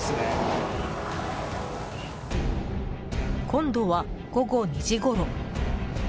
今度は、午後２時ごろ。